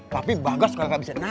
tadi yang sebelumnya dua belas